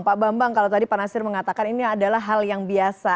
pak bambang kalau tadi pak nasir mengatakan ini adalah hal yang biasa